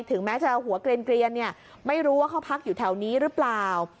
ถึงแม้จะหัวเกลียนเนี่ยไม่รู้ว่าเขาพักอยู่แถวนี้หรือเปล่า